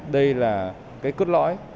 đây là cái cốt lõi